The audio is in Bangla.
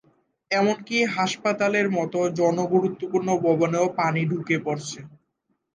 এমনকি হাসপাতালের মতো জনগুরুত্বপূর্ণ ভবনেও পানি ঢুকে পড়েছে।